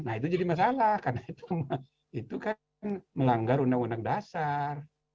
nah itu jadi masalah karena itu kan melanggar undang undang dasar